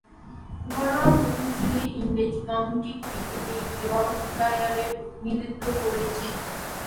ঘরোয়া প্রথম-শ্রেণীর ইংরেজ কাউন্টি ক্রিকেটে ইয়র্কশায়ারের প্রতিনিধিত্ব করেছেন।